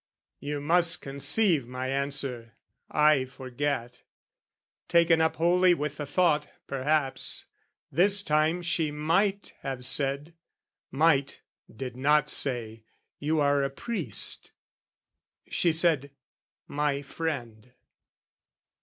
You must conceive my answer, I forget Taken up wholly with the thought, perhaps, This time she might have said, might, did not say "You are a priest." She said, "my friend."